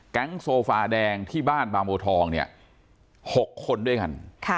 กางเกงชั้นโซฟาแดงที่บ้านบางโบทองเนี้ย๖คนด้วยกัน